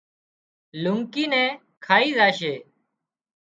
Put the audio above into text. لونڪي نين کائي زائيش